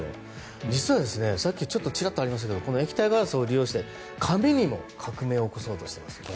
実はさっきちらっとありましたけどこの液体ガラスを利用して紙にも革命を起こそうとしています。